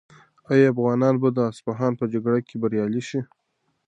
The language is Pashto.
آیا افغانان به د اصفهان په جګړه کې بریالي شي؟